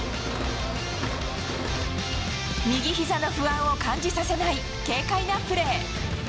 右ひざの不安を感じさせない軽快なプレー。